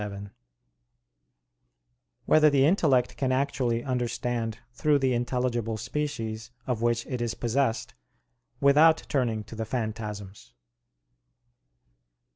7] Whether the Intellect Can Actually Understand Through the Intelligible Species of Which It Is Possessed, Without Turning to the Phantasms?